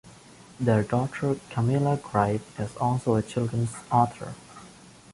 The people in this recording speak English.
Their daughter Camilla Gripe is also a children's author.